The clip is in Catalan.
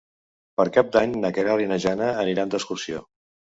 Per Cap d'Any na Queralt i na Jana aniran d'excursió.